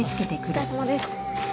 お疲れさまです。